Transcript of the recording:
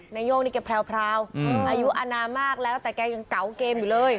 นายกนี่แกแพรวอายุอนามมากแล้วแต่แกยังเก๋าเกมอยู่เลย